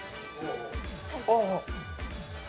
ああ。